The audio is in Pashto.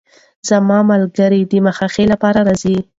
زما ملګرې د مخې ښې لپاره راځي.